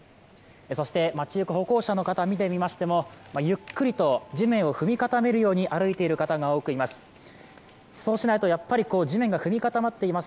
そして街行く歩行者の方も見ても、ゆっくりと地面を踏み固めるように歩いている方が多くいます。